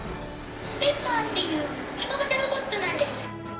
「ペッパーっていう人型ロボットなんです」